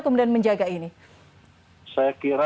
kemudian menjaga ini